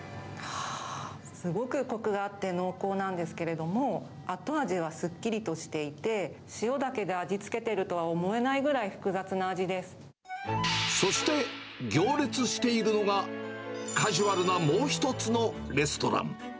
はー、すごくこくがあって、濃厚なんですけれども、後味はすっきりとしていて、塩だけで味付けているとは思えなそして、行列しているのが、カジュアルなもう一つのレストラン。